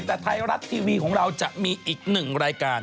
แต่ไทยรัฐทีวีของเราจะมีอีกหนึ่งรายการ